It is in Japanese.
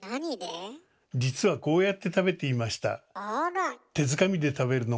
実はこうやって食べていました。